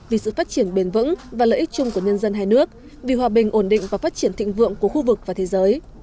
vì sự phát triển bền vững và lợi ích chung của nhân dân hai nước vì hòa bình ổn định và phát triển thịnh vượng của khu vực và thế giới